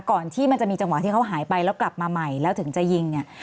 ก่อนที่มันจะมีจังหวะที่เขาหายไปแล้วกลับมาใหม่แล้วถึงจะยิงเนี่ย